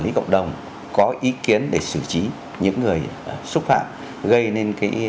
viên có ý kiến để xử trí những người xúc phạm gây nên cái